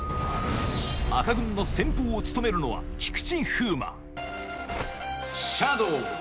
赤軍の先鋒を務めるのは菊池風磨シャドウ